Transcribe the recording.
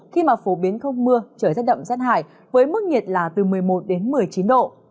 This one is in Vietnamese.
khi mà phổ biến không mưa trời rất đậm rất hải với mức nhiệt là từ một mươi một một mươi chín độ